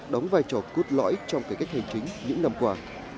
đóng vai trò cốt lõi trong cải cách hành chính những năm qua